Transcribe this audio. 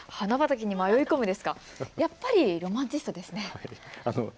やっぱりロマンチストですね。